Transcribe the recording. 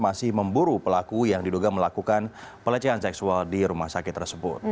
masih memburu pelaku yang diduga melakukan pelecehan seksual di rumah sakit tersebut